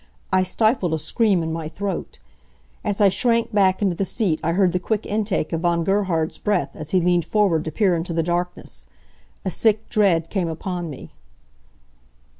I stifled a scream in my throat. As I shrank back into the seat I heard the quick intake of Von Gerhard's breath as he leaned forward to peer into the darkness. A sick dread came upon me.